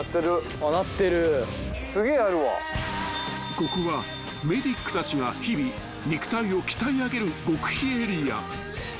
［ここはメディックたちが日々肉体を鍛え上げる極秘エリア］